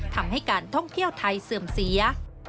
ทำให้การท่องเที่ยวไทยเสื่อมเสีย